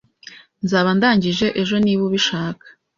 Nzaba ndangije ejo niba ubishaka.